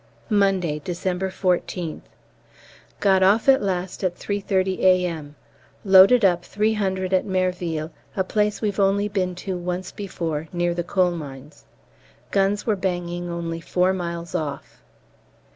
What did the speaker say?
Monday, December 14th. Got off at last at 3.30 A.M. Loaded up 300 at Merville, a place we've only been to once before, near the coalmines. Guns were banging only four miles off.